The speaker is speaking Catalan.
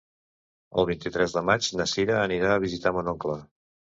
El vint-i-tres de maig na Cira anirà a visitar mon oncle.